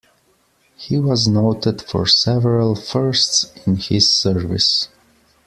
He was noted for several firsts in his service.